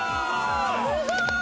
すごーい！